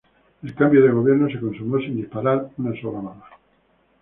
El cambio de gobierno se consumó sin disparar una sola bala.